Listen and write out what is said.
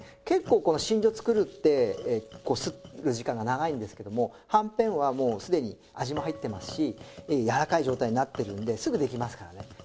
結構この真薯作るってする時間が長いんですけどもはんぺんはもうすでに味も入ってますしやわらかい状態になってるのですぐできますからね。